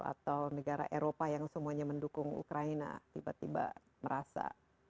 atau negara eropa yang semuanya mendukung ukraina tiba tiba merasa